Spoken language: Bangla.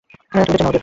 তুমি তো চেনো ওদের।